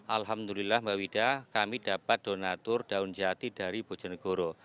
alhamdulillah mbak wida kami dapat donatur daun jati dari bojonegoro